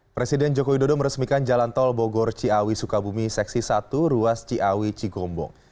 presiden joko widodo meresmikan jalan tol bogor ciawi sukabumi seksi satu ruas ciawi cigombong